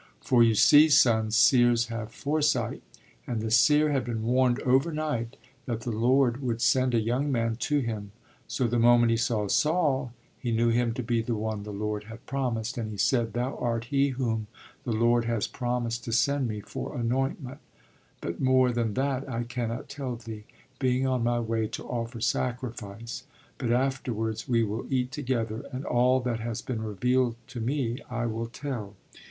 For you see, Son, seers have foresight, and the seer had been warned overnight that the Lord would send a young man to him, so the moment he saw Saul he knew him to be the one the Lord had promised, and he said: thou art he whom the Lord has promised to send me for anointment, but more than that I cannot tell thee, being on my way to offer sacrifice, but afterwards we will eat together, and all that has been revealed to me I will tell.